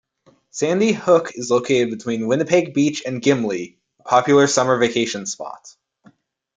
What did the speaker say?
Sandy Hook is located between Winnipeg Beach and Gimli, a popular summer vacation spot.